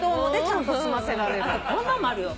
こんなんもあるよ。